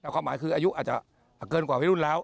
คำหมายคืออายุอาจจะเกินกว่าวิรุณแล้ว